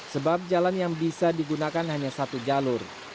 sebab jalan yang bisa digunakan hanya satu jalur